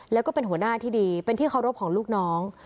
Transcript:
แล้วก็เป็นหัวหน้าที่ดีเป็นที่เคารพของลูกน้อง